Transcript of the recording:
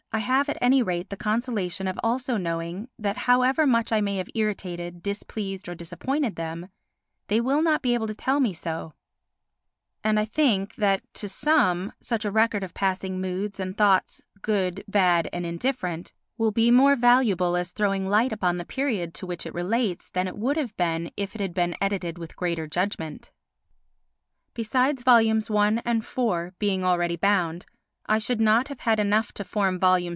I have at any rate the consolation of also knowing that, however much I may have irritated, displeased or disappointed them, they will not be able to tell me so; and I think that, to some, such a record of passing moods and thoughts good, bad and indifferent will be more valuable as throwing light upon the period to which it relates than it would have been if it had been edited with greater judgment. Besides, Vols. I and IV being already bound, I should not have enough to form Vols.